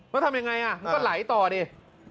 แล้วทำยังไงก็ไหลต่อด้ี